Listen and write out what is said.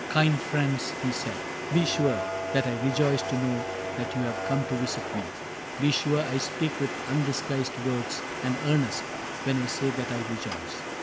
" Kind friends," he said, " be sure that I rejoice To know that you have come to visit me ; Be sure I speak with undisguised words And earnest, when I say that I rejoice."